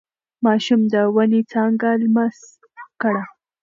ماشوم د ونې څانګه لمس کړه.